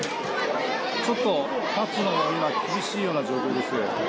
ちょっと、立つのが厳しいような状況です。